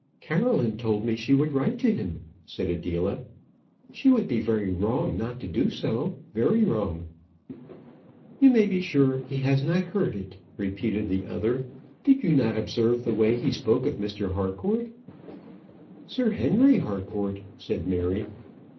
"Caroline told me she would write to him," said Adela: "she would be very wrong not to do so very wrong." "You may be sure he has not heard it," repeated the other. "Did you not observe the way he spoke of Mr. Harcourt?" "Sir Henry Harcourt," said Mary.